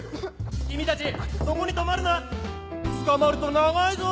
君たちそこに止まるなつかまると長いぞ。